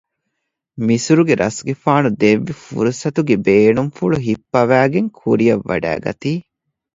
މިސުރުގެ ރަސްގެފާނު ދެއްވި ފުރުސަތުގެ ބޭނުންފުޅު ހިއްޕަވައިގެން ކުރިއަށް ވަޑައިގަތީ